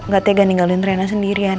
ga tega ninggalin reina sendirian